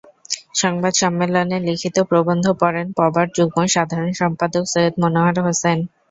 সংবাদ সম্মেলনে লিখিত প্রবন্ধ পড়েন পবার যুগ্ম সাধারণ সম্পাদক সৈয়দ মনোয়ার হোসেন।